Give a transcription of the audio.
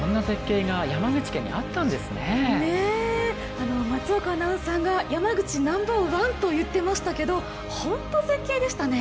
あの松岡アナウンサーが山口ナンバーワンと言ってましたけどほんと絶景でしたね。